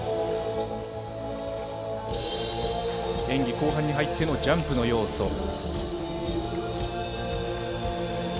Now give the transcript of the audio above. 演技後半に入ってのジャンプの要素。